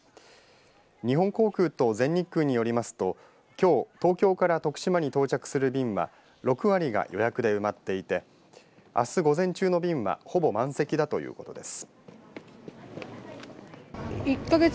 日本航空と全日空によりますときょう東京から徳島に到着する便は６割が予約で埋まっていてあす午前中の便はほぼ満席だということです。